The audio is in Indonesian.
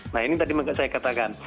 nah ini tadi saya katakan